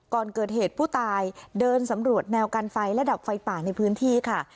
ก่อนเกิดเหตุผู้ตายเดินสำรวจแนวกันไฟและดับไฟป่าในพื้นที่ค่ะ